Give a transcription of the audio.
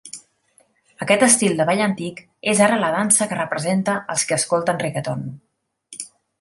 Aquest estil de ball antic és ara la dansa que representa els qui escolten reggaeton.